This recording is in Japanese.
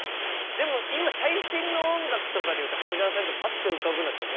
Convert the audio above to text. でも今最新の音楽とかでいうと長谷川さんってパッて浮かぶのはどこら辺が最新。